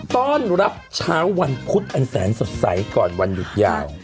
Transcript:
ต้อนรับเช้าวันพุธอันแสนสดใสก่อนวันหยุดยาว